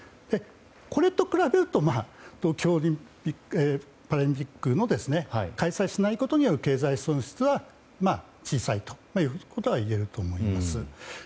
これと比べると東京オリンピック・パラリンピックを開催しないことによる経済損失は小さいということが言えると思います。